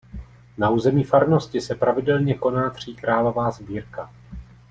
Na území farnosti se pravidelně koná tříkrálová sbírka.